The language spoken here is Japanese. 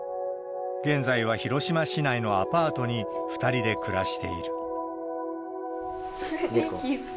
現在は広島市内のアパートに２人で暮らしている。